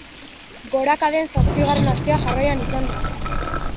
Gorakaden zazpigarren astea jarraian izan da.